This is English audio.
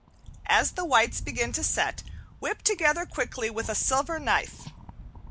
As the whites begin to set, whip together quickly with a silver knife.